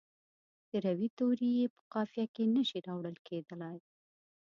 د روي توري یې په قافیه کې نه شي راوړل کیدلای.